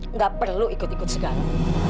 nggak perlu ikut ikut sekarang